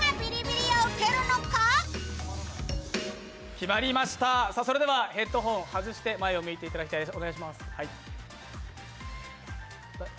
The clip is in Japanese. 決まりました、それではヘッドフォンを外して前を向いていただきます。